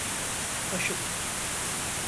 Kaşık…